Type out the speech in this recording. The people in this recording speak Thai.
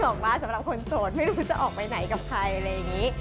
ส่งมาสำหรับคนโสดไม่รู้จะออกไปไหนกับใครอะไรอย่างนี้